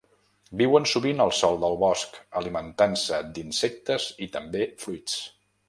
Viuen sovint al sòl del bosc, alimentant-se d'insectes i també fruits.